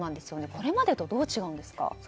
これまでとどう違うんですか？